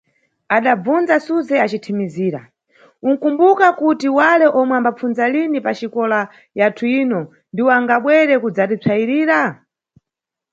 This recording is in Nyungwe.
Adabvundza Suze acithimizira: Unʼkumbuka kuti wale omwe ambapfundza lini paxikola yathuyino ndiwo angabwere kudzatipsayirira?